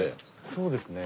そうですね。